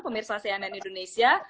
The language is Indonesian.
pemirsa cnn indonesia